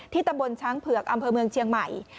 ตำบลช้างเผือกอำเภอเมืองเชียงใหม่